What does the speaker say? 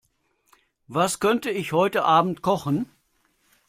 Was könnte ich heute Abend kochen?